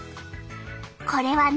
これはね